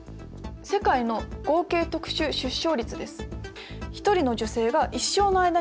世界の合計特殊出生率です。